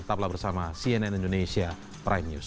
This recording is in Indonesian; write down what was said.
tetaplah bersama cnn indonesia prime news